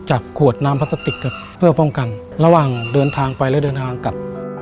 ขวดน้ำพลาสติกครับเพื่อป้องกันระหว่างเดินทางไปและเดินทางกลับ